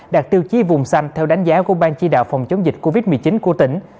đạt tiêu chí vùng xanh theo đánh giá của ban chỉ đạo phòng chống dịch covid một mươi chín của tỉnh